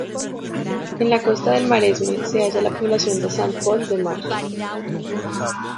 En la costa del Maresme se halla la población de Sant Pol de Mar.